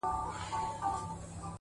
زما تصـور كي دي تصـوير ويده دی-